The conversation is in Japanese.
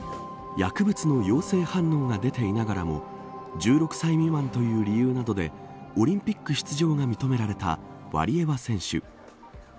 薬物の陽性反応が出ていながらも１６歳未満という理由などでオリンピック出場が認められたワリエワ選手。